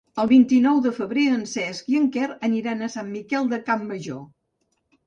El vint-i-nou de febrer en Cesc i en Quer aniran a Sant Miquel de Campmajor.